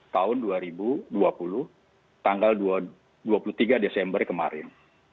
tahun dua ribu dua puluh tanggal dua puluh tiga desember kemarin